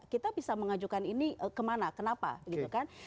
kita bisa mengajukan ini kemana kenapa gitu kan